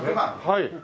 はい。